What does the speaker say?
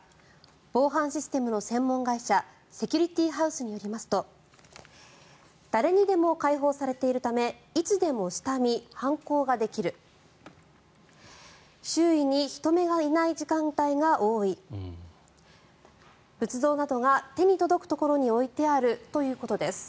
防犯システムの専門会社セキュリティハウスによりますと誰にでも開放されているためいつでも下見・犯行ができる周囲に人目がない時間帯が多い仏像などが手に届くところに置いてあるということです。